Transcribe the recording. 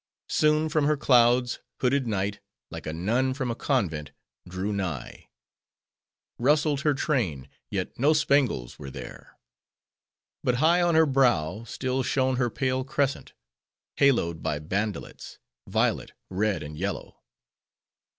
Soon, from her clouds, hooded Night, like a nun from a convent, drew nigh. Rustled her train, yet no spangles were there. But high on her brow, still shone her pale crescent; haloed by bandelets—violet, red, and yellow.